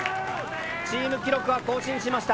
チーム記録は更新しました。